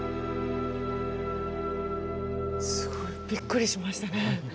すごいびっくりしましたね。